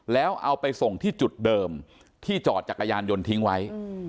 แล้วเอาไปส่งที่จุดเดิมที่จอดจักรยานยนต์ทิ้งไว้